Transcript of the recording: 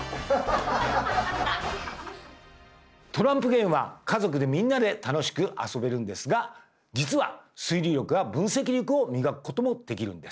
トランプゲームは家族でみんなで楽しく遊べるんですが実は推理力や分析力を磨くこともできるんです！